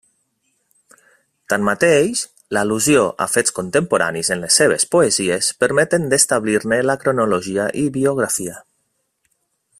Tanmateix l'al·lusió a fets contemporanis en les seves poesies permeten d'establir-ne la cronologia i biografia.